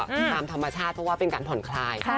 ตามธรรมชาติเพราะว่าเป็นการผ่อนคลาย